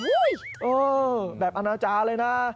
เออแบบอนาจารย์เลยนะ